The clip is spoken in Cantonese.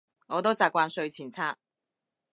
我都習慣睡前刷